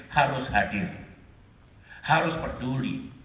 harus hadir harus peduli